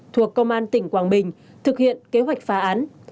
thuộc công an tỉnh quảng bình thực hiện kế hoạch phá án